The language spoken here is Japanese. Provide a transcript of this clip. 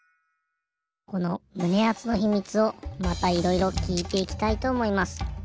このむねあつの秘密をまたいろいろきいていきたいとおもいます。